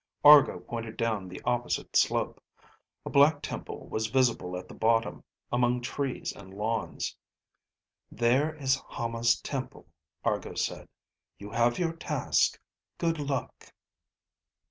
Argo pointed down the opposite slope. A black temple was visible at the bottom among trees and lawns. "There is Hama's temple," Argo said. "You have your task. Good luck."